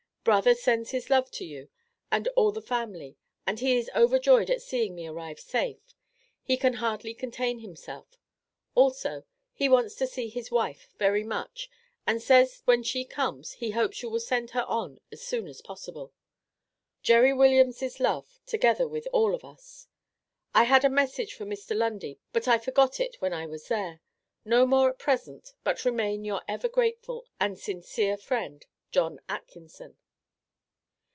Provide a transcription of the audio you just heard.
Brother sends his love to you and all the family and he is overjoyed at seeing me arrive safe, he can hardly contain himself; also he wants to see his wife very much, and says when she comes he hopes you will send her on as soon as possible. Jerry Williams' love, together with all of us. I had a message for Mr. Lundy, but I forgot it when I was there. No more at present, but remain your ever grateful and sincere friend, JOHN ATKINSON.